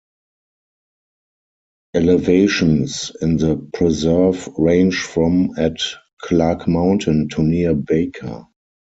Elevations in the Preserve range from at Clark Mountain to near Baker.